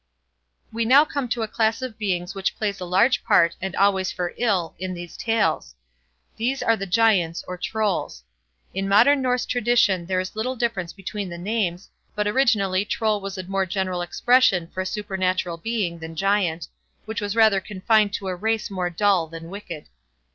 We now come to a class of beings which plays a large part, and always for ill, in these Tales. These are the Giants or Trolls. In modern Norse tradition there is little difference between the names, but originally Troll was a more general expression for a supernatural being than Giant, which was rather confined to a race more dull than wicked.